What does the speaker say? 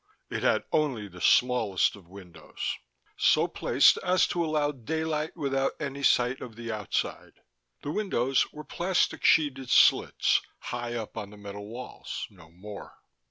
It had only the smallest of windows, so placed as to allow daylight without any sight of the outside; the windows were plastic sheeted slits high up on the metal walls, no more.